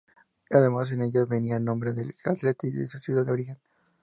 Además, en ellas venía el nombre del atleta y de su ciudad de origen.